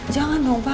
jangan dong mbak